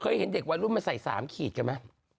เห็นเด็กวัยรุ่นมาใส่๓ขีดกันไหม